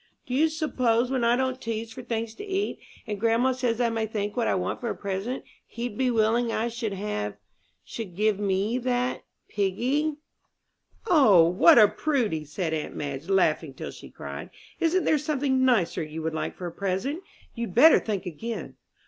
"Do you s'pose when I don't tease for things to eat, and grandma says I may think what I want for a present, he'd be willing I should have she should give me that piggy?" "O, what a Prudy!" said aunt Madge, laughing till she cried. "Isn't there something nicer you would like for a present? You'd better think again."